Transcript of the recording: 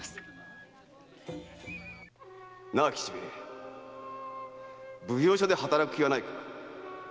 〔なあ吉兵衛奉行所で働く気はないか？〕